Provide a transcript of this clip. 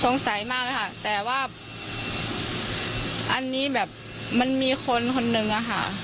สงสัยมากเลยค่ะแต่ว่าอันนี้แบบมันมีคนคนนึงอะค่ะ